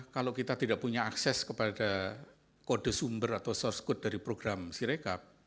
kalau kita tidak punya akses kepada kode sumber atau source code dari program sirekap